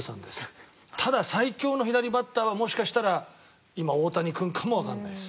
ただ最強の左バッターはもしかしたら今大谷君かもわからないです。